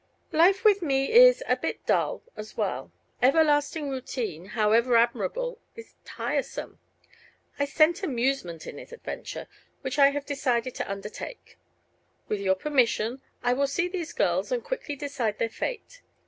"Life with me is a bit dull, as well. Everlasting routine, however admirable, is tiresome. I scent amusement in this adventure, which I have decided to undertake. With your permission I will see these girls and quickly decide their fate.